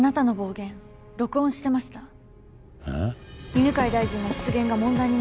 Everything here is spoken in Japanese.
犬飼大臣の失言が問題になってる